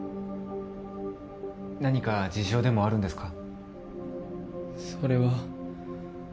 何か事情でもあるんですか？